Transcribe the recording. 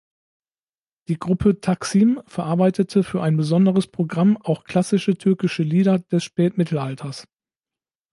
Die Gruppe Taksim verarbeitete für ein besonderes Programm auch klassische türkische Lieder des Spätmittelalters.